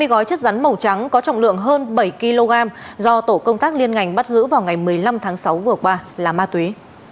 hai mươi gói chất rắn màu trắng có trọng lượng hơn bảy kg do tổ công tác liên ngành bắt giữ vào ngày một mươi năm tháng sáu vừa qua là ma túy